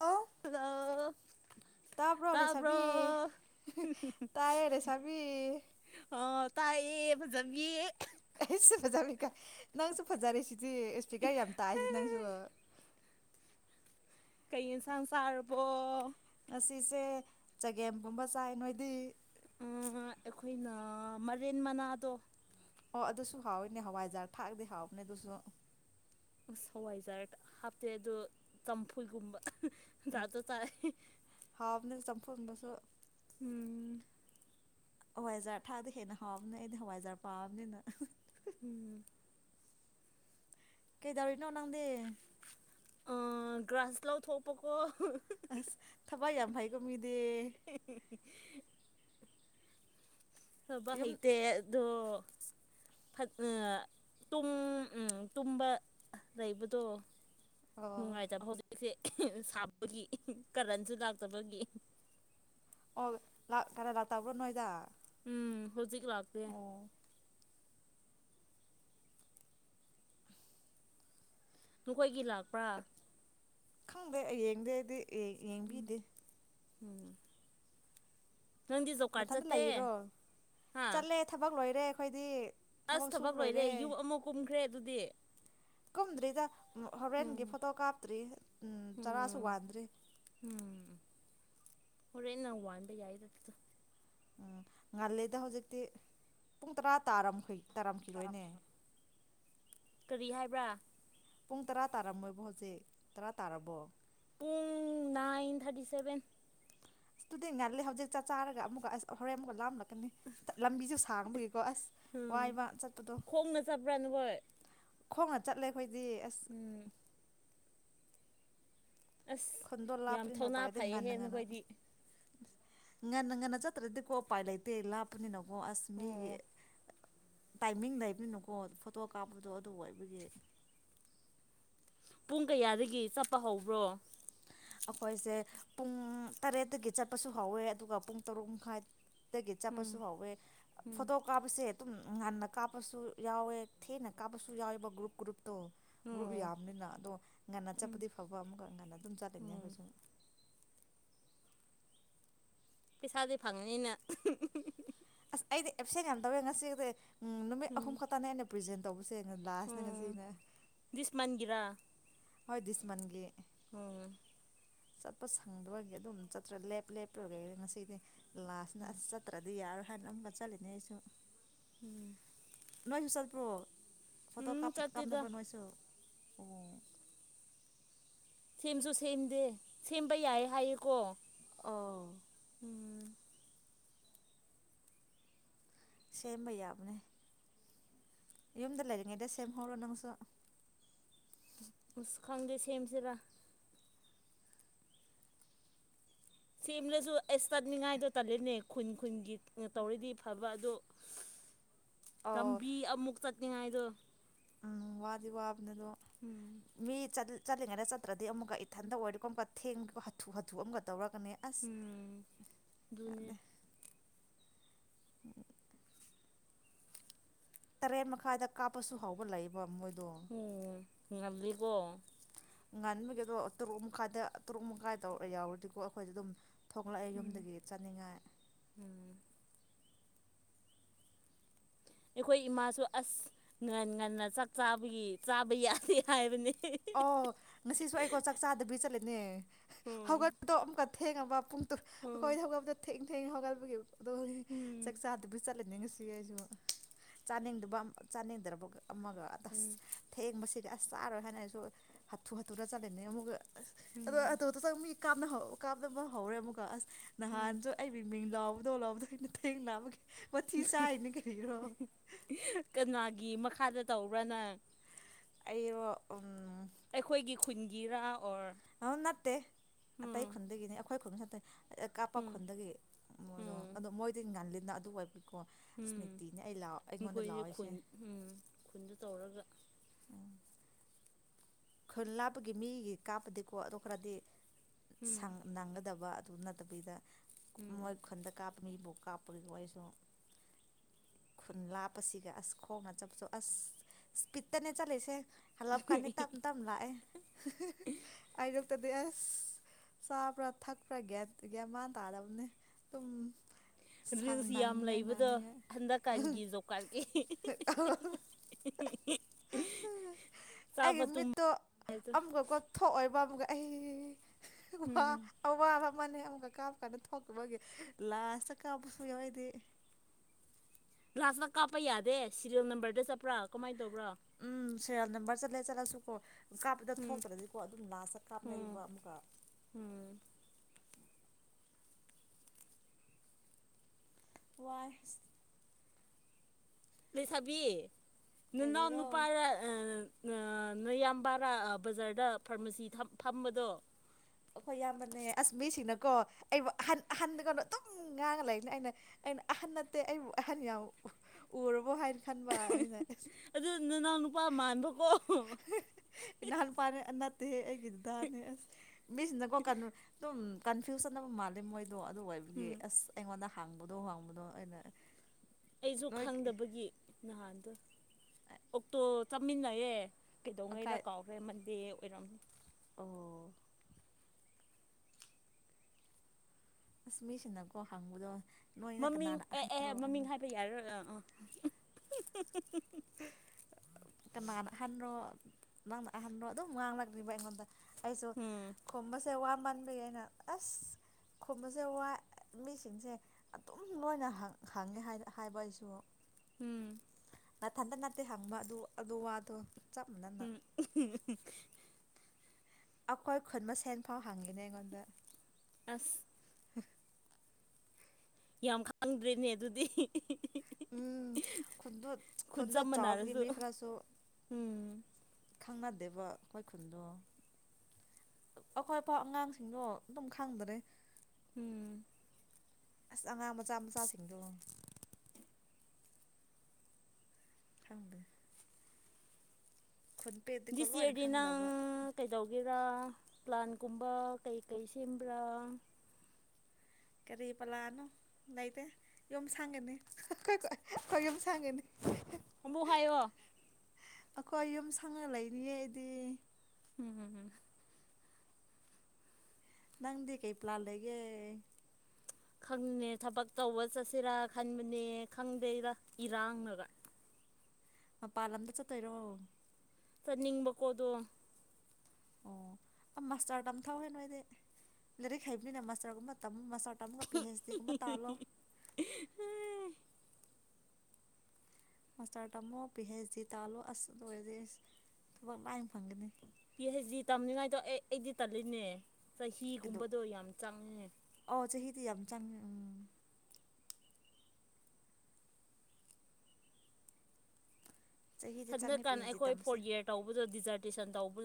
ꯑ ꯑ ꯇꯥꯕ꯭ꯔꯣ ꯂꯩꯦ ꯁꯕꯤ ꯇꯥꯏꯔꯦ ꯁꯕꯤ ꯇꯥꯏꯑ ꯐꯖꯕ ꯌꯦ ꯑꯩꯁꯨ ꯐꯖꯔ ꯅꯪꯁꯨ ꯐꯖꯔꯦ ꯁꯤꯗꯤ ꯏꯁꯄꯤꯀꯔ ꯌꯥꯝ ꯇꯥꯏꯁꯤ ꯅꯪꯁꯨ ꯀꯩ ꯏꯟꯁꯥꯡ ꯁꯥꯔꯔꯕꯣ ꯉꯁꯤꯁꯦ ꯆꯒꯦꯝ ꯄꯨꯝꯕ ꯆꯥꯏ ꯅꯣꯏꯗꯤ ꯎ ꯑꯩꯈꯣꯏꯅ ꯃꯔꯦꯟ ꯃꯅꯥꯗꯣ ꯑꯣ ꯑꯗꯨꯁꯨ ꯍꯥꯎꯋꯏꯅꯦ ꯍꯋꯥꯏꯖꯥꯔ ꯊꯥꯛꯗꯤ ꯍꯥꯎꯕꯅꯦ ꯑꯗꯨꯁꯨ ꯍꯋꯥꯏ ꯖꯔꯠ ꯍꯥꯞꯇ ꯑꯗꯨ ꯇꯝꯐꯨꯜꯒꯨꯝꯕ ꯇꯗꯣ ꯆꯥꯏ ꯐꯣꯟꯕꯁꯨ ꯎꯝ ꯍꯋꯥꯏꯖꯥꯔ ꯊꯥꯗ ꯍꯦꯟꯅ ꯍꯥꯎꯕꯅꯦ ꯑꯩꯗꯤ ꯍꯋꯥꯏꯖꯥꯔ ꯄꯥꯕꯅꯤꯅ ꯎꯝ ꯀꯩꯗꯔꯅ ꯎꯅꯥꯪꯗꯤ ꯒ꯭ꯔꯥꯁ ꯂꯧꯥꯎꯊꯣꯛꯄꯀꯣ ꯑꯁ ꯊꯕꯏ ꯌꯥꯝ ꯐꯩꯀꯣ ꯃꯤꯗꯤ ꯁꯕ ꯌꯨꯝ ꯍꯥꯏꯩꯇ ꯑꯗꯣ ꯇ ꯇꯨꯝꯕ ꯂꯩꯕꯗꯣ ꯑꯣ ꯅꯨꯡꯉꯥꯏꯖꯕ ꯐꯥꯎꯗꯁꯦ ꯁꯥꯕꯒꯤ ꯀꯔꯟꯁꯨ ꯂꯥꯛꯇꯕꯒꯤ ꯑꯣ ꯂꯥꯛ ꯀ ꯂꯥꯛꯇꯥꯕꯨꯔꯣ ꯅꯣꯏꯗ ꯎꯝ ꯍꯧꯖꯤꯛꯛ ꯂꯥꯛꯗ ꯑꯣ ꯅꯈꯣꯏꯒꯤ ꯂꯥꯛꯄ꯭ꯔꯥ ꯈꯪꯗꯦ ꯑꯩ ꯌꯦꯡꯗꯦ ꯑꯩꯗꯤ ꯑꯦ ꯌꯦꯡꯕꯤꯗꯤ ꯎꯝ ꯅꯪꯗꯤ ꯖꯣꯕ ꯀꯥꯔꯗ ꯃꯊꯟꯇ ꯆꯠꯇꯦ ꯂꯩꯔꯣ ꯍꯥ ꯆꯠꯂꯦ ꯊꯕꯛ ꯂꯣꯏꯔꯦ ꯑꯩꯈꯣꯏꯗꯤ ꯑꯁ ꯊꯕꯛ ꯂꯣꯏꯔꯦ ꯌꯨꯝ ꯑꯃ ꯀꯨꯝ꯭ꯔ ꯈ꯭ꯔꯦ ꯑꯗꯨꯗꯤ ꯀꯨꯝꯗꯔꯤꯗ ꯍꯣꯔꯦꯟꯒꯤ ꯎꯝ ꯐꯣꯇꯣ ꯀꯥꯞꯇ꯭ꯔꯤ ꯆꯔꯥꯁꯨ ꯎꯝ ꯋꯥꯟꯗ꯭ꯔꯤ ꯍꯣꯔꯦꯟ ꯅ ꯋꯥꯟꯕ ꯌꯥꯏꯗ ꯎꯝ ꯉꯥꯜꯂꯤꯦꯗ ꯍꯧꯖꯤꯛꯇꯤ ꯄꯨꯡ ꯇꯔꯥ ꯇꯥꯔꯃꯈꯩ ꯇꯥꯔꯝꯈꯤꯔꯣꯏꯅꯦ ꯀꯔꯤ ꯍꯥꯏꯕ꯭ꯔꯥ ꯄꯨꯡ ꯇꯔꯥ ꯇꯥꯔꯝꯃꯣꯏꯕꯣ ꯍꯧꯖꯤꯛ ꯇꯔꯥ ꯇꯥꯔꯕꯣ ꯄꯨꯡ ꯅꯥꯏꯟ ꯊꯥꯔꯇꯤ ꯁꯚꯦꯟ ꯑꯁ ꯇꯨꯗꯤ ꯉꯜꯜꯂꯤꯦ ꯍꯧꯖꯤꯛ ꯆꯥꯛ ꯆꯥꯔꯒ ꯑꯃꯨꯛꯀ ꯑꯁ ꯍꯣꯔꯦꯟ ꯑꯃꯨꯛꯀ ꯂꯥꯝꯂꯛꯀꯅꯤ ꯂꯝꯕꯤꯁꯨ ꯁꯥꯡꯅꯕ ꯎꯝ ꯈꯣꯡꯅ ꯆꯠꯄ꯭ꯔꯥ ꯅ ꯍꯣꯏ ꯈꯣꯡꯉꯒ ꯆꯠꯂꯦ ꯑꯩꯈꯣꯏ ꯔ ꯑꯁ ꯑꯁ ꯈꯨꯟꯗꯣ ꯌꯥꯝ ꯂꯥꯞꯄꯅꯤꯅ ꯊꯧꯅꯥ ꯎꯄꯥꯏ ꯂꯩꯇꯦ ꯐꯩꯌꯦ ꯉꯟꯅ ꯉꯟꯅ ꯍꯦꯟꯅꯈꯣꯏꯗꯤ ꯉꯟꯅ ꯉꯟꯅ ꯆꯠꯇ꯭ꯔꯗꯤ ꯀꯣ ꯎꯄꯥꯏ ꯂꯩꯇꯦ ꯏ ꯂꯞꯅꯤꯅ ꯑꯣ ꯑꯁ ꯃꯤꯒꯤ ꯑꯣ ꯇꯥꯏꯃꯤꯡꯗ ꯂꯩꯕꯤꯅꯨꯀꯣ ꯐꯣꯇꯣ ꯀꯥꯞꯄꯗꯣ ꯑꯗꯨ ꯑꯣꯏꯕꯒꯤ ꯄꯨꯡ ꯀꯌꯥꯗꯒꯤ ꯆꯠꯄ ꯍꯧꯕ꯭ꯔꯣ ꯑꯩꯈꯣꯏꯁꯦ ꯄꯨꯡ ꯇꯔꯦꯠꯇꯒꯤ ꯆꯠꯄꯁꯨ ꯍꯧꯋꯦ ꯑꯗꯨꯒ ꯄꯨꯡ ꯇꯔꯨꯛ ꯃꯈꯥꯏ ꯇꯒꯤ ꯎꯝ ꯆꯠꯄꯁꯨ ꯍꯧꯥꯎꯋꯦ ꯎꯝ ꯐꯣꯇꯣ ꯀꯥꯞꯄꯁꯦ ꯑꯗꯨꯝ ꯉꯟꯅ ꯀꯥꯞꯄꯁꯨ ꯌꯥꯎꯋꯦ ꯊꯦꯡꯅ ꯀꯥꯞꯄꯁꯨ ꯌꯥꯎꯋꯦꯕ ꯒ꯭ꯔꯨꯞ ꯒ꯭ꯔꯨꯞ ꯑꯣ ꯒ꯭ꯔꯨꯞ ꯑꯣ ꯌꯥꯕꯅꯤꯅ ꯑꯗꯣ ꯉꯟꯅ ꯎꯝ ꯆꯠꯄꯗꯤ ꯐꯕ ꯑꯃꯀ ꯉꯟꯅꯠ ꯑꯗꯨꯝ ꯆꯥꯂꯅꯦ ꯎꯝ ꯑꯩꯈꯣꯏꯁꯨ ꯄꯩꯁꯥꯗꯤ ꯐꯪꯉꯅꯤꯅ ꯑꯁ ꯑꯩꯗꯤ ꯑꯦꯞꯁꯦꯟ ꯌꯥꯝ ꯇꯧꯋꯦ ꯉꯁꯤꯗꯤ ꯎꯝ ꯅꯨꯃꯤꯠꯍꯨꯝ ꯈꯛꯇꯅꯦꯅꯦ ꯄ꯭ꯔꯦꯖꯦꯟ ꯇꯧꯕꯁꯦ ꯂꯥꯁꯅꯦ ꯉꯁꯤꯅ ꯑꯣ ꯁ ꯃꯥꯟꯒꯔꯥ ꯍꯣꯏꯗꯁꯃꯟꯦ ꯑꯣ ꯆꯠꯄ ꯁꯪꯗꯒꯤ ꯑꯗꯨꯝ ꯆꯠꯇ꯭ꯔ ꯂꯦꯞ ꯂꯦꯞꯄꯨꯔꯒ ꯉꯁꯤꯗꯤ ꯂꯥꯁꯅ ꯑꯁ ꯆꯠꯇ꯭ꯔꯗꯤ ꯌꯥꯔꯣꯏ ꯍꯥꯏꯅ ꯑꯃꯨꯛꯀ ꯆꯠꯂꯤꯅꯦ ꯑꯩꯁꯨ ꯎꯝ ꯅꯣꯏꯁꯨꯁꯠ ꯄ꯭ꯔꯣ ꯐꯇꯣ ꯎꯝ ꯀꯥꯞ ꯀꯥ ꯆꯠꯇꯦꯗ ꯅꯕ ꯥꯏꯁꯨ ꯁꯦꯝꯁꯨ ꯁꯦꯝꯗꯦ ꯁꯦꯝꯕ ꯌꯥꯏ ꯍꯥꯏꯌꯦꯀꯣ ꯑꯥ ꯎꯝ ꯁꯦꯝꯕ ꯌꯥꯕꯅꯦ ꯌꯨꯝꯗ ꯂꯩꯔꯤꯉꯩꯗ ꯁꯦꯝꯍꯧꯔꯣ ꯅꯪꯁꯨ ꯎ ꯈꯪꯗꯤ ꯁꯦꯝꯦꯝꯆꯔꯥ ꯁꯦꯝꯂꯁꯨ ꯑꯁ ꯇꯠꯅꯤꯡꯉꯥꯏꯗꯣ ꯇꯠꯜꯂꯤꯅꯦ ꯈꯨꯟ ꯈꯨꯟꯒꯤ ꯇꯧꯔꯤꯗꯤ ꯐꯕ ꯑꯣ ꯑꯣ ꯔꯝꯕꯤ ꯑꯃꯨꯛ ꯆ ꯥꯏꯗꯣ ꯎꯝ ꯋꯥꯗꯤ ꯋꯥꯕ ꯑꯗꯨꯗꯣ ꯎꯝ ꯃꯤ ꯆꯠ ꯆꯠꯂꯤꯉꯩꯗ ꯆꯠꯇ꯭ꯔꯗꯤ ꯑꯃꯨꯛ ꯏꯊꯟꯗ ꯑꯣꯏꯔꯒꯣ ꯑꯃꯨꯛꯀ ꯊꯦꯡꯕꯒꯣ ꯍꯥꯊꯨ ꯍꯥꯊꯨ ꯑꯃꯒ ꯇꯧꯔꯒ ꯀ ꯑꯁ ꯎꯝ ꯑꯗꯨꯅꯦ ꯑꯗ ꯎꯝ ꯇꯔꯦꯠ ꯃꯈꯥꯏꯗ ꯀꯥꯞꯄꯁꯨ ꯍꯥꯎꯕ ꯂꯩꯌꯦꯕ ꯃꯣꯏꯗꯣ ꯎ ꯉꯜꯂꯤꯀꯣ ꯉꯥꯟꯕꯒꯤꯦꯗꯣ ꯇꯔꯨꯛ ꯃꯈꯥꯏꯗ ꯇꯔꯨꯛ ꯃꯈꯥꯏ ꯇꯧꯔ ꯌꯥꯎꯔꯗꯤꯀꯣ ꯑꯩꯈꯣꯏꯗ ꯑꯗꯨꯝ ꯊꯣꯛꯂꯛꯑꯦ ꯎꯝ ꯌꯨꯝꯗꯒꯤ ꯆꯠꯅꯤꯡꯉꯥꯏ ꯎꯝ ꯑꯩꯈꯣꯏ ꯏꯃꯥꯁꯨ ꯑꯁ ꯉꯟ ꯉꯟꯅ ꯆꯥꯛ ꯆꯥꯕꯒꯤ ꯆꯥꯕ ꯌꯥꯗꯦ ꯍꯥꯏꯕꯅꯤ ꯑꯣ ꯉꯁꯤꯁꯨ ꯑꯩꯀꯣ ꯆꯥꯛ ꯆꯥꯗꯕꯤ ꯆꯠꯂ ꯭ꯂꯦ ꯎꯝ ꯍꯧꯒꯣ ꯊꯦꯡꯒꯕꯕꯥꯄꯨꯡ ꯎꯝ ꯈꯣꯏ ꯊꯕꯕ ꯊꯦꯡ ꯊꯦꯡ ꯍꯣꯒꯕꯨꯒꯤ ꯑꯗꯣ ꯎꯝ ꯆꯛ ꯆꯥꯗꯕꯤ ꯆ ꯍꯜꯍꯅꯤꯡꯉꯤꯁꯤ ꯑꯩꯁꯨ ꯆꯥꯅꯤꯡꯗꯕ ꯆꯥꯅꯤꯡꯗ꯭ꯔꯕ ꯑꯃꯒ ꯑꯁ ꯎꯝ ꯊꯦꯡꯕꯁꯤ ꯑꯁꯥꯔꯣ ꯍꯦꯅ ꯍꯥꯊꯨ ꯍꯥꯊꯨꯔꯥ ꯆꯂꯦꯅꯦ ꯃꯒ ꯎꯝ ꯑꯗꯣ ꯑ ꯆ ꯀꯥꯞꯅ ꯀꯥꯞꯅꯕ ꯍꯧꯔꯦ ꯑꯃꯨꯛꯀ ꯑꯁ ꯎꯝ ꯅꯍꯥꯟꯁꯨ ꯑꯩ ꯃꯤꯡ ꯂꯥꯎ ꯗꯣꯂꯛꯑꯗ ꯑꯩꯅ ꯊꯦꯡꯅꯅꯥꯅꯕꯒꯦ ꯄꯊꯤ ꯁꯥꯏꯅ ꯀꯩꯅꯔꯣ ꯀꯅꯥꯒꯤ ꯃꯈꯥꯗ ꯇꯧꯕ꯭ꯔꯅ ꯑ ꯀꯨꯟꯒꯤꯔꯥ ꯑꯗꯨ ꯅꯠꯇꯦ ꯑꯇꯩ ꯈꯨꯟꯗꯒꯤꯅꯤ ꯑꯩꯈꯣꯏ ꯈꯨꯟ ꯅꯠꯇꯦ ꯀꯥꯞꯄ ꯎꯝ ꯈꯨꯟꯗꯒꯤ ꯃꯣꯏꯗꯣ ꯎꯝ ꯑꯗꯨ ꯃꯣꯏꯗꯤ ꯉꯜꯂꯤ ꯅꯪ ꯑꯗꯨ ꯑꯣꯏꯕꯕꯤ ꯎꯝ ꯃꯈꯣꯏꯁ ꯈꯨꯟ ꯂꯥꯎꯔꯤꯁꯦ ꯎꯝ ꯈꯨꯟꯗ ꯇꯧꯔꯒ ꯎ ꯈꯨꯜ ꯂꯥꯞꯄꯒꯤ ꯃꯤꯒꯤ ꯀꯥꯞꯄꯗꯤꯀꯣ ꯑ ꯈꯔꯗꯤ ꯎꯝ ꯅꯥꯡꯒꯗꯕ ꯅꯠꯇꯕꯤꯩꯗ ꯎꯝ ꯃꯣꯏ ꯈꯨꯟꯗ ꯀꯥꯞꯄ ꯃꯤꯕꯨꯣꯛ ꯀꯥꯞꯄꯒꯤ ꯋꯥꯔꯤꯁꯨ ꯈꯨꯟ ꯂꯥꯞꯄꯁꯤꯒ ꯑꯁ ꯈꯣꯡꯅ ꯆꯠꯄꯁꯨ ꯑꯁ ꯏꯁꯄꯤꯠꯇꯅꯦ ꯆꯠꯂꯤꯁꯦ ꯍꯜꯂꯞ ꯀꯥꯟꯅꯤ ꯇꯞ ꯇꯞ ꯂꯥꯛꯑꯦ ꯑꯩꯗꯣ ꯇꯗꯤ ꯑꯁ ꯆꯥꯕ꯭ꯔꯥ ꯊꯛꯄ꯭ꯔꯥ ꯒ꯭ꯌꯥꯟ ꯃꯥꯟ ꯇꯥꯗꯕꯅꯤ ꯑꯗꯨꯝ ꯁꯪ ꯔꯤꯜꯁ ꯌꯥꯝ ꯅꯪꯅꯤꯡꯉꯥꯏ ꯂꯩꯕꯗꯣ ꯅꯪꯅꯤꯡꯉꯥꯏ ꯍꯟꯗꯛꯀꯥꯟꯒꯤ ꯖꯣꯀꯥꯟ ꯑꯩꯒꯤ ꯃꯤꯠꯇꯣ ꯑꯃꯒꯀꯣ ꯊꯣꯛꯑꯣꯏꯕ ꯑꯃꯒ ꯑꯩ ꯋꯥ ꯎꯝ ꯑ ꯋꯥ ꯃꯅꯦ ꯑꯃꯨꯛꯀ ꯀꯥꯞꯄ ꯀꯥꯟꯗ ꯊꯣꯛꯇꯕꯒꯤ ꯂꯥꯁꯇ ꯀꯥꯞꯄꯁꯨ ꯌꯥꯎꯏꯗꯤ ꯀꯥꯁꯇ ꯀꯥꯞꯄ ꯌꯥꯗꯦꯔꯤꯌꯦꯜ ꯅꯝꯕꯔꯗ ꯆꯠꯄ꯭ꯔꯥ ꯀꯃꯥꯏꯅ ꯗꯕ꯭ꯔꯥ ꯁꯦꯜ ꯅꯝꯕꯔ ꯆ ꯂꯩꯦ ꯆꯠꯂꯁꯨꯀꯣ ꯀꯥꯞꯄꯗ ꯎꯝ ꯊꯣꯛꯇ꯭ꯔꯗꯤꯀꯣ ꯑꯗꯨꯝ ꯂꯥꯁꯇ ꯎꯝ ꯀꯥꯞꯅꯩꯕ ꯑꯃꯨꯛꯀ ꯎꯝ ꯋꯥꯏ ꯂꯩꯁꯥꯕꯤ ꯅꯅ ꯀꯔꯤꯔꯣ ꯄꯔ ꯅꯌꯥꯝꯕꯔꯥ ꯕꯖꯥꯔꯗ ꯐꯥꯔꯃꯥꯁꯤ ꯐꯝꯕꯗꯣ ꯑꯩꯈꯣꯏ ꯏꯌꯥꯝꯕꯅꯦ ꯑꯁ ꯃꯤꯁꯤꯡꯅꯀꯣ ꯑꯩꯕꯨ ꯑꯍꯟ ꯑꯍꯟꯗ ꯀꯩꯅꯣ ꯑꯗꯨꯝ ꯉꯥꯡꯉ ꯂꯩꯅꯤ ꯑꯩꯅ ꯑꯩꯅ ꯑꯍꯟ ꯅꯠꯇꯦ ꯑꯩꯕꯨ ꯑꯍꯟ ꯌꯥꯝ ꯎꯔꯕꯣ ꯍꯥꯏꯅ ꯈꯟꯕꯅ ꯑꯗꯨ ꯅꯅꯥꯎ ꯅꯨꯄꯥ ꯃꯥꯟꯕꯀꯣ ꯏꯍꯥꯟ ꯄꯥ [unintelligible] ꯒꯤꯔꯗꯥꯅꯦ ꯑꯁ ꯃꯤꯁꯤꯅꯀꯣ ꯀꯩꯅꯨ ꯑꯗꯨꯝ ꯀꯟꯐꯤꯨꯁꯟ ꯑꯃ ꯃꯥꯦ ꯃꯣꯏ ꯑꯣ ꯑꯗꯨ ꯑꯣꯏꯕꯒꯤ ꯎꯝ ꯑꯁ ꯑꯩꯉꯣꯟꯗ ꯍꯥꯡꯕꯗꯣ ꯋꯥꯥꯡꯕꯗꯣ ꯑꯩꯅ ꯑꯩꯁꯨ ꯅꯣꯏ ꯈꯪꯗꯕꯒꯤ ꯅꯍꯥꯟꯗꯣ ꯑꯣ ꯇꯣ ꯆꯃꯤꯟꯅꯌꯦꯦ ꯀꯩꯗꯧꯉꯩꯔ ꯑꯀꯥꯏ ꯀꯥꯎꯔꯦꯟ ꯗ ꯑꯣꯏꯔꯝꯃꯤ ꯑꯣ ꯁꯨꯃꯤꯁꯀꯣ ꯍꯪꯕꯨꯗꯣ ꯃꯃꯤꯡ ꯑꯦ ꯑꯦ ꯃꯃꯤꯡ ꯍꯥꯏꯕ ꯌꯥꯔꯔꯣꯏꯥ ꯑꯥ [inaudible] ꯀꯅꯥꯅ ꯑꯍꯟꯔꯣ ꯅꯪꯅ ꯑꯍꯟꯔꯣ ꯑꯗꯨꯝ ꯉꯥꯡꯂꯛ꯭ꯂꯤꯕ ꯑꯩꯉꯣꯟꯗ ꯑꯩꯁꯨ ꯎꯝ ꯀꯣꯝꯕꯁꯦ ꯋꯥ ꯌꯥꯝ ꯃꯟꯕꯤ ꯑꯩꯅ ꯑꯁ ꯈꯣꯕꯁꯦ ꯋꯥꯏ ꯃꯤꯁꯤꯡꯁꯦ ꯑꯗꯨꯝ ꯂꯣꯏꯅ ꯍꯪꯉꯦ ꯍꯥꯏꯕ ꯑꯩꯁꯨ ꯎꯝ ꯅꯊꯟꯇ ꯅꯅꯥꯠꯇꯦ ꯍꯪꯕ ꯑꯗꯨ ꯑꯗꯨ ꯋꯥꯗꯣ ꯆꯞ ꯃꯥꯟꯅꯅ ꯎꯝ ꯑꯩꯈꯣꯏ ꯈꯨꯟꯕ ꯁꯦꯟ ꯐꯥꯎ ꯍꯪꯉꯤꯅꯦ ꯑꯩꯉꯣꯟꯗ ꯑꯁ ꯌꯥꯝ ꯈꯪꯗ꯭ꯔꯔꯤꯅꯦ ꯑꯗꯨꯗꯤ ꯎꯝ ꯈꯨ ꯈꯨꯠ ꯈꯨꯨꯗ ꯆꯞ ꯆ ꯆꯥꯎꯕꯒꯤ ꯃꯥꯟꯅꯔꯁꯨ ꯃꯤ ꯈꯔꯁꯨꯣ ꯎꯝ ꯈꯪꯅꯗꯦꯕ ꯑꯩꯈꯣꯏ ꯈꯨꯟꯗꯣ ꯑꯩꯈꯣꯏ ꯑꯄꯥꯥꯎ ꯑꯉꯥꯡꯁꯤꯡꯗꯣ ꯑꯗꯨꯝ ꯈꯪꯗꯔꯦ ꯎꯝ ꯑꯁ ꯑꯉꯥꯡ ꯃꯆꯥ ꯃꯆꯥꯁꯤꯡꯗꯣ ꯈꯪꯗ ꯗꯤ ꯁꯤ ꯂꯣꯏꯅ ꯑꯗꯤ ꯅꯪ ꯈꯪꯒꯗꯧꯕ ꯀꯩꯗꯧꯒꯦꯔ ꯄ꯭ꯂꯥꯟꯒꯨꯝꯕ ꯀꯩꯀꯩ ꯁꯦꯝꯕ꯭ꯔꯥ ꯀꯔꯤ ꯄꯂꯥꯅꯣ ꯂꯩꯇꯦ ꯌꯨꯝ ꯁꯥꯡꯒꯅꯤ ꯑꯩꯈꯣꯏ ꯌ ꯁꯥꯡꯒꯅꯤ ꯑꯃꯨꯛ ꯍꯥꯏꯌꯣ ꯑꯩꯈꯣꯏ ꯌꯨꯝ ꯁꯪꯅ ꯂꯩꯅꯤꯌꯦꯗꯤ ꯎꯝꯝ ꯅꯪꯗꯤ ꯀꯩ ꯄ꯭ꯂꯥ ꯂꯩꯒꯦ ꯈꯪꯅꯦ ꯊꯕꯛ ꯇꯧꯕ ꯆꯠꯁꯤꯔꯥ ꯈꯟꯕꯅꯦ ꯈꯪꯗꯦꯔ ꯏꯔꯥꯡꯅꯒ ꯃꯄꯥꯟ ꯂꯝꯗ ꯆꯠꯇꯣꯏꯔꯣ ꯇꯅꯤꯡꯕꯀꯣꯗꯣ ꯑꯣ ꯑ ꯃꯥꯁꯇꯔ ꯇꯝ ꯊꯥꯎꯋꯦ ꯅꯣꯣꯏꯗꯤ ꯂꯥꯏꯔꯤꯛ ꯍꯩꯕꯅꯤꯅ ꯃꯥꯁꯇꯔꯒꯨꯝꯕ ꯃꯁꯇ ꯑꯃ ꯀꯞꯄꯤ ꯍ ꯀꯝꯕ ꯇꯥꯂꯣ ꯃꯥꯁꯇꯔ ꯇꯝꯃꯣ ꯄꯤ ꯍꯩꯆ ꯗꯤ ꯇꯥꯜꯂꯣ ꯑꯁ ꯂ ꯑꯣꯏꯔꯗꯤ ꯊꯕꯛ ꯂꯥꯏꯅ ꯐꯪꯒꯅꯤ ꯄꯤ ꯍꯥꯏꯩꯖꯤ ꯇꯝꯅꯤꯡꯉꯥꯏꯗꯣ ꯑꯦ ꯑꯩꯗꯤ ꯇꯜꯂꯤꯅꯦ ꯑꯗꯣ ꯆꯍꯤꯒꯨꯝꯕꯗꯣ ꯌꯥꯝ ꯆꯪꯉꯦ ꯗꯤ ꯌꯥꯝ ꯆꯪꯉꯦ ꯎꯝ ꯆꯍꯤꯗꯤ ꯆꯪꯉꯦ ꯍꯟꯛꯀꯥꯟꯗ ꯄꯤ ꯍꯩꯆ ꯗꯤ ꯑꯩꯈꯣꯏ ꯇꯝꯕꯁꯦ ꯐꯣꯔ ꯌꯔ ꯇꯧꯕꯗ ꯗꯤꯖꯥꯔꯇꯦꯁꯟ ꯇꯧꯕ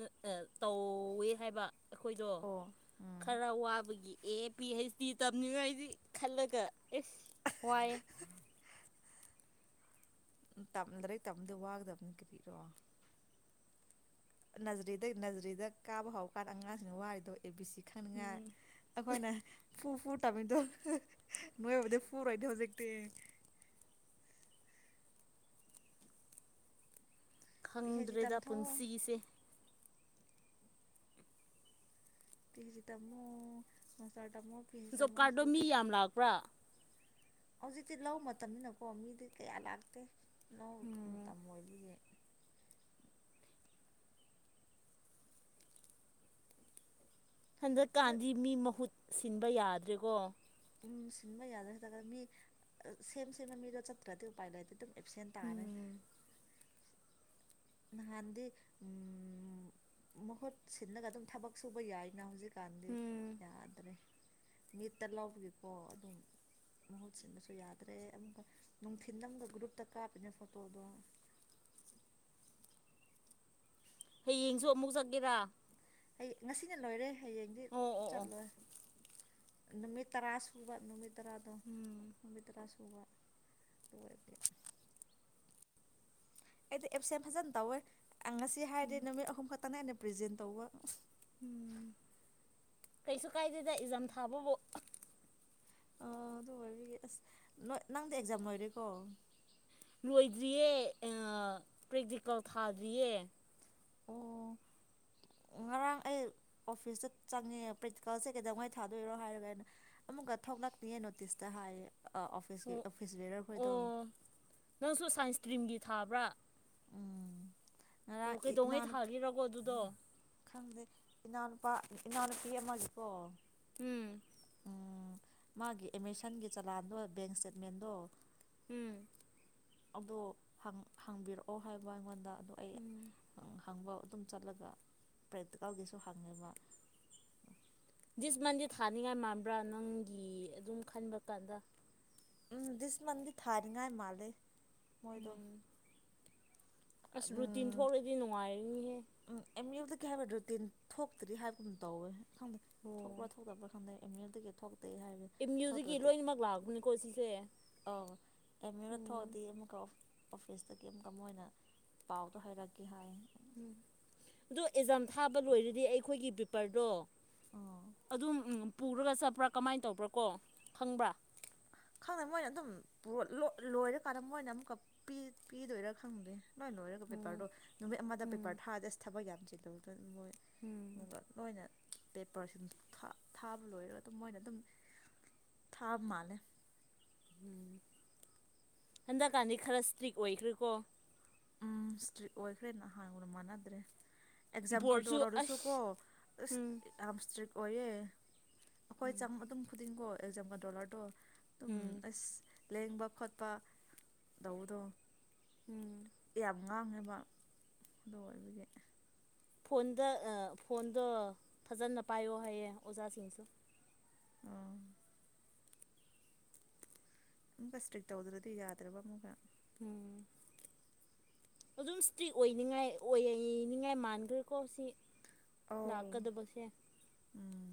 ꯇꯧꯋꯦ ꯍꯥꯏꯕ ꯑꯩꯈꯣꯏꯗꯣ ꯑꯣ ꯎꯝ ꯈꯔ ꯋꯥꯕꯒꯤ ꯑꯦ ꯄꯤ ꯍꯩꯆ ꯗꯤ ꯇꯝꯅꯤꯡꯉꯥꯏꯗꯤ ꯈꯜꯂꯒ ꯑꯦꯁ ꯋꯥꯏꯑꯦ ꯂꯔꯤꯛ ꯇꯝꯗ ꯋꯥꯒꯗꯕꯅꯤ ꯀꯔꯤꯔꯣ ꯅꯖꯔꯤꯗꯩ ꯅꯖꯔꯤꯗ ꯀꯥꯕ ꯍꯧꯔꯀꯥꯟꯗ ꯑꯉꯥꯡꯁꯤꯡꯅ ꯋꯥꯈꯤꯗꯣ ꯕꯤ ꯁꯤ ꯈꯪ ꯉ ꯑꯩꯈꯣꯏꯅ ꯄꯨ ꯐꯨ ꯇꯃꯤꯇꯣ ꯅꯣꯏꯕꯗꯤ ꯄꯨꯔꯗ ꯍꯧꯖꯤꯛꯇꯛꯇ ꯄꯤ ꯍꯩꯆ ꯗꯤ ꯈꯪꯗ꯭ꯔꯦꯗ ꯇꯝꯊꯣꯛꯑꯣ ꯄꯨꯟꯁꯤꯒꯤꯁꯦ ꯇꯖꯤ ꯇꯃꯣ ꯃꯁꯥ ꯖꯣꯞꯀꯥꯔꯗꯣ ꯃꯤ ꯌꯥꯝ ꯂꯥꯛꯄ꯭ꯔꯥ ꯍꯧꯖꯤꯛꯇꯤ ꯂꯧ ꯃꯇꯝꯅꯤꯅꯀꯣ ꯃꯤꯗꯤ ꯀꯌꯥ ꯂꯥꯛꯇꯦ ꯅꯥꯎ ꯎꯝ ꯃꯇꯝ ꯑꯣꯏꯕꯒꯤ ꯅꯣꯏ ꯍꯟꯗ꯭ꯔꯀꯥꯟꯖꯤ ꯃꯤ ꯃꯍ ꯁꯤꯟꯕ ꯌꯥꯗ꯭ꯔꯦꯀꯣ ꯎꯝ ꯁꯤꯟꯕ ꯌꯥꯗꯣꯏ ꯃꯤ ꯁꯦꯝ ꯁꯦꯝꯕ ꯃꯤꯗꯣ ꯆꯠꯇ꯭ꯔꯗꯤ ꯎꯄꯥꯏ ꯂꯩꯇꯦ ꯑꯗꯨꯝ ꯑꯦꯞꯁꯦꯟ ꯇꯅ ꯎꯝ ꯅꯍꯥꯟꯗꯤ ꯎ ꯃꯍꯨꯠ ꯁꯤꯜꯂꯒ ꯑꯗꯨꯝ ꯊꯕꯛ ꯁꯨꯕ ꯌꯥꯏꯅ ꯍꯧꯖꯤꯛ ꯀꯥꯟꯗ ꯎꯝ ꯌꯥꯗ꯭ꯔꯦ ꯃꯤꯠꯇ ꯂꯧꯕꯒꯤꯀꯣ ꯑꯗꯨꯝ ꯃꯍꯨꯠ ꯁꯤꯟꯕꯁꯨ ꯌꯥꯗ꯭ꯔꯦ ꯑꯃꯨꯛꯀ ꯅꯨꯡꯊꯤꯜ ꯑꯃꯒ ꯒ꯭ꯔꯨꯞꯇ ꯀꯥꯞꯄꯤꯅꯦ ꯐꯣꯇꯣꯗꯣ ꯍꯌꯦꯡꯁꯨ ꯑꯃꯨꯛ ꯆꯠꯀꯦꯔꯥ ꯑꯩ ꯉꯁꯤꯅ ꯂꯣꯏꯔꯦ ꯍꯌꯦꯡꯗꯤ ꯑꯣ ꯑꯣ ꯑꯣ ꯆꯠꯂꯣꯏ ꯅꯨꯃꯤꯠ ꯇꯔꯥ ꯁꯕ ꯅꯨꯃꯤꯠ ꯇꯔꯥꯗ ꯎꯝ ꯃꯤꯇꯔꯥ ꯁꯨ ꯑꯩꯗꯤ ꯑꯞ ꯁꯦꯝ ꯐꯖꯅ ꯇꯧꯋꯦ ꯉꯁꯤ ꯍꯥꯏꯔꯦ ꯎꯝ ꯅꯨꯃꯤꯠ ꯑꯍꯨꯝ ꯈꯛꯇꯅꯦ ꯍꯥꯏ ꯄ꯭ꯔꯖꯦꯟ ꯇꯧꯕ ꯎꯝ ꯀꯩꯁꯨ ꯀꯥꯏꯗꯦꯗ ꯏꯖꯝ ꯊꯥꯕꯕꯨ ꯑ ꯑꯗꯨ ꯑꯣꯏꯔ ꯑꯁ ꯅꯪꯗꯤ ꯑꯦꯛꯖꯥꯝ ꯂꯣꯏꯔꯦꯀꯣ ꯂꯣꯏꯗ꯭ꯔꯤꯌꯦ ꯄ꯭ꯔꯦꯛꯇꯤꯀꯦꯜ ꯊꯥꯗ꯭ꯔꯤꯌꯦ ꯑꯣ ꯉꯔꯥꯡ ꯑꯩ ꯑꯣꯐꯤꯁꯇ ꯆꯪꯉꯦ ꯄ꯭ꯔꯦꯛꯇꯤꯀꯜꯁꯦ ꯀꯩꯗꯧꯉꯩ ꯊꯥꯗꯣꯏꯔꯣ ꯍꯥꯏꯔꯒ ꯑꯩꯅ ꯑꯃꯨꯛꯀ ꯊꯣꯛꯂꯛꯅꯤꯡꯌꯦ ꯅꯣꯇꯤꯁꯇ ꯍꯥꯏꯌꯦ ꯑꯣꯐꯤꯁꯀꯤ ꯑꯣ ꯑꯣꯐꯤꯁ ꯕꯦꯔ ꯈꯣꯏ ꯇꯧ ꯑꯣ ꯅꯪꯁꯨ ꯁꯥꯏꯟꯁ ꯁꯇ꯭ꯔꯤꯝꯒꯤ ꯊꯥꯕ꯭ꯔꯥ ꯑꯣ ꯉꯔꯥꯡ ꯀꯩꯗꯧꯉꯩ ꯏꯅꯥꯎꯅꯨꯄꯤ ꯊꯥꯔꯤꯔꯒꯣ ꯑꯗꯨꯗꯣ ꯈꯪꯗꯦ ꯏꯅꯥꯎꯅꯨꯄꯥ ꯏꯅꯥꯎꯅꯨꯄꯤ ꯑꯃꯒꯤꯀꯣ ꯎꯝ ꯃꯥꯒꯤ ꯑꯦꯃꯦꯖꯟꯒꯤ ꯆꯂꯥꯟꯗꯣ ꯕꯦꯡ ꯏꯁꯇꯦꯠꯃꯦꯟꯗꯣ ꯎꯝ ꯑꯗꯣ ꯍꯪꯕꯤꯔꯛꯑꯣ ꯍꯥꯏꯕ ꯑꯩꯉꯣꯟꯗ ꯑꯗꯣ ꯑꯩ ꯎꯝ ꯍꯪꯕ ꯑꯗꯨꯝ ꯆꯠꯂꯒ ꯄ꯭ꯔꯦꯛꯇꯤꯀꯦꯜꯒꯤꯁꯨ ꯍꯪꯉꯕ ꯗꯤꯁ ꯃꯟꯗꯦ ꯊꯥꯅꯤꯡꯉꯥꯏ ꯃꯥꯟꯕ꯭ꯔꯥ ꯅꯪꯒꯤ ꯑꯗꯨꯝ ꯈꯟꯕ ꯀꯥꯟꯗ ꯎꯝ ꯗꯤꯁ ꯃꯟꯗꯤ ꯊꯥꯔꯤꯉꯥꯏ ꯃꯥꯂꯦ ꯃꯣꯏꯗ ꯎꯝ ꯑꯁ ꯔꯨꯇꯤꯟ ꯊꯣꯛꯂꯛꯗꯤ ꯅꯨꯡꯉꯥꯏꯔꯅꯤꯍꯦ ꯎꯝ ꯑꯦꯅꯤꯗꯤ ꯀꯩ ꯍꯥꯏꯕ ꯔꯨꯇꯤꯟ ꯊꯣꯛꯇ꯭ꯔꯤ ꯍꯥꯏꯕꯒꯨꯝ ꯇꯧꯋꯦ ꯈꯪꯗ ꯊꯣꯛꯄ꯭ꯔꯥ ꯊꯣꯛꯇꯕ꯭ꯔꯥ ꯈꯪꯗꯦ ꯑꯦꯝꯃꯦꯜꯗꯒꯤ ꯊꯣꯛ ꯏꯝ꯭ꯌꯨꯖꯤꯛꯒꯤ ꯂꯣꯏꯅꯃꯛ ꯂꯥꯛꯑꯕꯅꯤꯀꯣ ꯁꯤꯁꯦ ꯑ ꯑꯦꯃꯤ ꯔ ꯎꯝ ꯊꯣꯗꯤ ꯃꯀ ꯑꯣꯐꯤꯁꯇꯒꯤ ꯑꯃꯨꯛꯀ ꯑꯣꯏꯅ ꯄꯥꯎꯗꯣ ꯍꯥꯏꯔꯛꯀꯦ ꯍꯥꯏ ꯎꯝ ꯑꯗꯣ ꯑꯦꯛꯖꯥꯝ ꯊꯥꯕ ꯂꯣꯏꯔꯗꯤ ꯑꯩꯈꯣꯏꯒꯤ ꯄꯦꯄꯔꯗꯣ ꯎꯝ ꯑꯗꯨꯝ ꯎꯝ ꯄꯨꯔꯒ ꯆꯠꯄ꯭ꯔꯥ ꯀꯃꯥꯏꯅ ꯇꯧꯕ꯭ꯔꯥ ꯀꯣ ꯈꯪꯕ꯭ꯔꯥ ꯈꯪꯗꯦ ꯃꯣꯏꯅ ꯑꯗꯨꯝ ꯂꯣꯏꯔꯀꯥꯟꯗ ꯃꯣꯏꯅ ꯑꯃꯨꯛꯀ ꯄꯤꯗꯣꯏꯔꯥ ꯈꯪꯗꯦ ꯂꯣꯏ ꯂꯣꯏꯔꯒ ꯎꯝ ꯄꯦꯄꯔꯗꯣ ꯅꯨꯃꯤꯠ ꯑꯃꯗ ꯎꯝ ꯄꯦꯄꯔ ꯊꯥꯔꯗꯤ ꯑꯁ ꯊꯕꯛ ꯌꯥꯝ ꯀꯇ ꯇ ꯃꯣꯏ ꯎꯝ ꯑꯗꯨꯒ ꯂꯣꯏꯅ ꯄꯦꯄꯔꯁꯤꯡ ꯊꯥꯕ ꯂꯣꯏꯔꯒ ꯑꯗꯨꯝ ꯃꯣꯏꯅ ꯑꯗꯨꯝ ꯊꯥꯕ ꯃꯥꯜꯂꯦ ꯎꯝ ꯍꯟꯗꯛꯀꯥꯟꯗꯤ ꯈꯔ ꯏꯁꯇ꯭ꯔꯤꯛ ꯑꯣꯏꯈ꯭ꯔꯦꯀꯣ ꯎꯝ ꯏꯁꯇꯔꯤ ꯑꯣꯏꯈ꯭ꯔꯦꯅ ꯍꯥꯏ ꯎ ꯃꯅꯗ꯭ꯔꯦ ꯑꯦꯛꯖꯝ ꯕꯣꯔꯗꯁꯨ ꯀꯟꯇ꯭ꯔꯣꯜ ꯑꯣꯏꯔꯁꯨ ꯑꯁ ꯀꯣ ꯎꯝ ꯑꯣꯣꯌꯦ ꯑꯩꯈꯣꯏ ꯎꯝ ꯆ ꯑꯗꯨꯝ꫰ ꯗꯤꯤꯡ ꯀꯣ ꯑꯦꯛꯖꯝꯒ ꯗꯣꯂꯔ ꯇꯣ ꯎ ꯎꯝ ꯑꯁ ꯂꯦꯡꯕ ꯈꯣꯠꯄ ꯇꯧꯕꯗꯣ ꯎꯝ ꯌꯥꯝ ꯉꯥꯡꯉꯦꯕ ꯑꯗꯨ ꯑꯣꯏꯕꯒꯤ꫰ ꯐꯣꯟꯗ ꯐꯣꯟꯗꯣ ꯐꯖꯅ ꯄꯥꯏꯌꯣ ꯍꯥꯏꯌꯦ ꯑꯣꯖꯥꯁꯤꯡꯁꯨ ꯑ ꯑꯃꯨꯛꯀ ꯏꯁꯇ꯭ꯔꯤꯛ ꯇꯧꯗ꯭ꯔꯗꯤ ꯌꯥꯗ꯭ꯔꯕ ꯑꯃꯨꯛꯒ ꯎꯝ ꯑꯗꯨꯝ ꯏꯁꯇ꯭ꯔꯤꯛ ꯑꯣꯏꯅꯤꯡꯉꯥꯏ ꯑꯣꯏꯅꯤꯡꯉꯥꯏ ꯃꯥꯟꯈ꯭ꯔꯦꯀꯣ ꯁꯤ ꯑꯧ ꯂꯥꯛꯀꯗꯕꯁꯦ ꯎꯝ